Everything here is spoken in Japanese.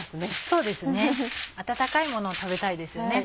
そうですね温かいものを食べたいですよね。